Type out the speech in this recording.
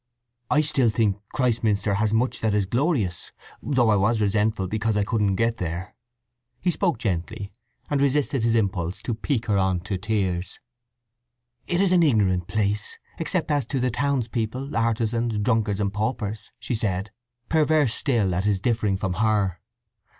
"I still think Christminster has much that is glorious; though I was resentful because I couldn't get there." He spoke gently, and resisted his impulse to pique her on to tears. "It is an ignorant place, except as to the townspeople, artizans, drunkards, and paupers," she said, perverse still at his differing from her.